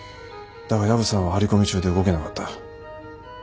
だが薮さんは張り込み中で動けなかった。